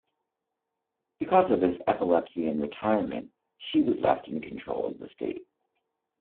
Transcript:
Because of his epilepsy and retirement, she was left in control of the state.